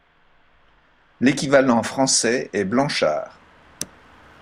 L'équivalent français est Blanchard.